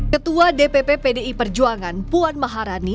ketua dpp pdi perjuangan puan maharani